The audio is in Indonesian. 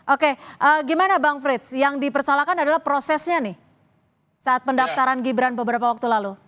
oke gimana bang frits yang dipersalahkan adalah prosesnya nih saat pendaftaran gibran beberapa waktu lalu